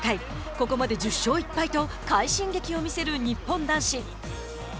ここまで１０勝１敗と快進撃を見せる日本男子。